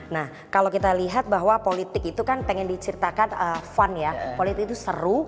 nah kalau kita lihat bahwa politik itu kan pengen diceritakan fun ya politik itu seru